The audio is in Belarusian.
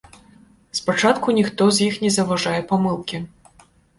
Спачатку ніхто з іх не заўважае памылкі.